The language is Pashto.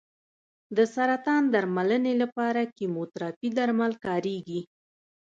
د سرطان د درملنې لپاره کیموتراپي درمل کارېږي.